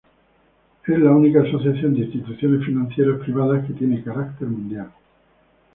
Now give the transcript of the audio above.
Es la única asociación de instituciones financieras privadas que tiene carácter mundial.